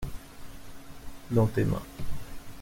Dans tes mains.